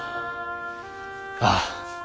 ああ。